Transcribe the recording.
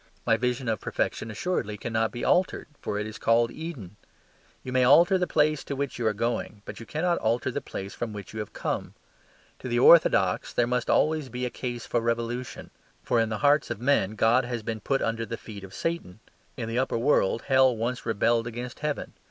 My vision of perfection assuredly cannot be altered; for it is called Eden. You may alter the place to which you are going; but you cannot alter the place from which you have come. To the orthodox there must always be a case for revolution; for in the hearts of men God has been put under the feet of Satan. In the upper world hell once rebelled against heaven.